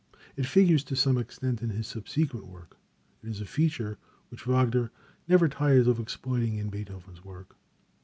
It figures to some extent in his subsequent work. It is a feature which Wagner never tires of exploiting in Beethoven's work.